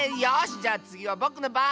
じゃあつぎはぼくのばん。